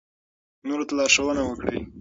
نورو ته لارښوونه وکړئ.